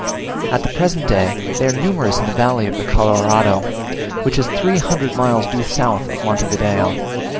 At the present day they are numerous in the valley of the Colorado, which is three hundred miles due south of Monte Video.